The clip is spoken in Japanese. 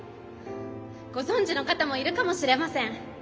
ご存じの方もいるかもしれません。